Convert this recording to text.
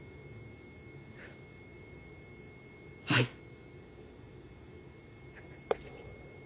はい。